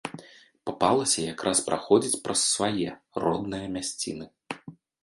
Папалася якраз праходзіць праз свае, родныя мясціны.